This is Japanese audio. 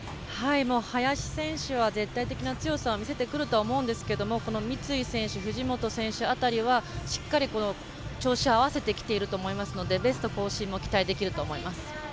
林選手は絶対的な強さを見せてくると思うんですけど三井選手藤本選手辺りはしっかり調子を合わせてきていると思いますのでベスト更新も期待できると思います。